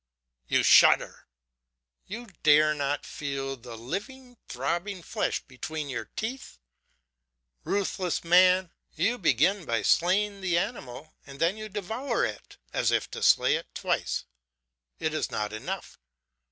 You shudder! you dare not feel the living throbbing flesh between your teeth? Ruthless man; you begin by slaying the animal and then you devour it, as if to slay it twice. It is not enough.